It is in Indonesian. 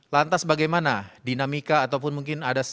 lantas bagaimana dinamika ataupun mungkin ada